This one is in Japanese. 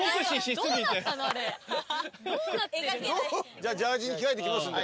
じゃあジャージーに着替えてきますんで。